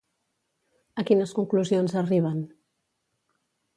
A quines conclusions arriben?